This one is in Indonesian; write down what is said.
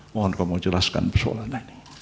mohon romo menjelaskan persoalannya ini